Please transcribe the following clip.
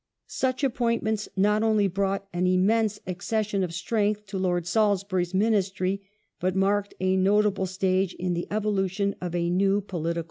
Such appointments not only brought an immense ac cession of strength to Lord Salisbury's Ministry, but marked a notable stage in the evolution of a new political party.